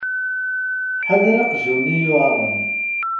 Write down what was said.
Ḥader aqjun-nni yuεren.